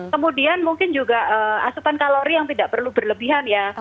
kemudian mungkin juga asupan kalori yang tidak perlu berlebihan ya